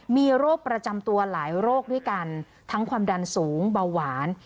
มีโรคประจำตัวหลายโรคด้วยกันทั้งความดันสูงเบาหวาน